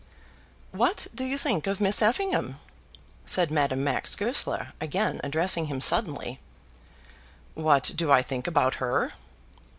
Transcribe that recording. "What do you think of Miss Effingham?" said Madame Max Goesler, again addressing him suddenly. "What do I think about her?"